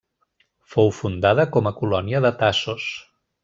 Fou fundada com a colònia de Tasos.